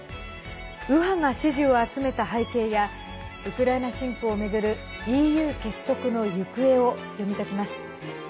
右派が支持を集めた背景やウクライナ侵攻を巡るＥＵ結束の行方を読み解きます。